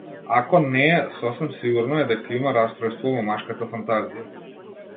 Ако не е, сосем сигурно е дека има растројство во машката фантазија.